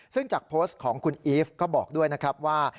ซึ่งจากโพสต์ของคุณอีฟก็บอกด้วยนะครับว่า